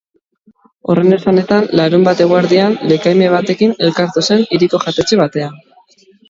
Horren esanetan, larunbat eguerdian lekaime batekin elkartu zen hiriko jatetxe batean.